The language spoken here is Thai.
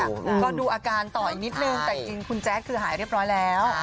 ก็ดูอาการต่ออีกนิดนึงแต่จริงคุณแจ๊ดคือหายเรียบร้อยแล้ว